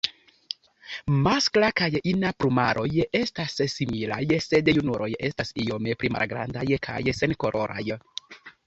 Maskla kaj ina plumaroj estas similaj, sed junuloj estas iome pli malgrandaj kaj senkoloraj.